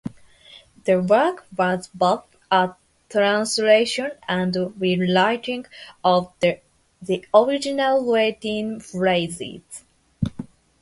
The work was both a translation and rewriting of the original Latin phrases.